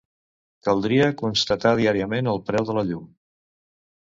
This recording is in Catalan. Caldria constatar diàriament el preu de la llum.